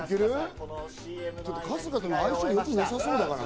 春日との相性良くなさそうだからな。